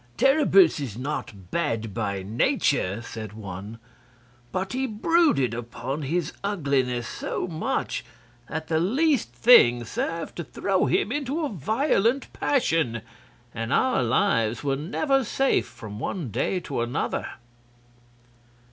"Terribus is not bad by nature," said one; "but he brooded upon his ugliness so much that the least thing served to throw him into a violent passion, and our lives were never safe from one day to another."